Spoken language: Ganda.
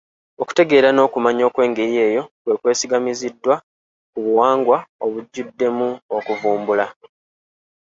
Okutegeera n’okumanya okw’engeri eyo kwe kwesigamiziddwa ku buwangwa obujjuddemu okuvumbula